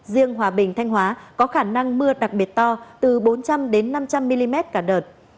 riêng hòa bình thanh hóa có khả năng mưa đặc biệt to từ bốn trăm linh năm trăm linh mm cả đợt